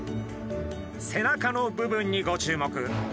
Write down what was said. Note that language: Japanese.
背中の部分にご注目。